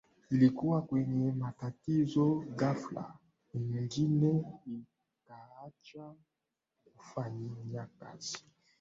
ilikuwa kwenye matatizo Ghafla injini ikaacha kufanyakazi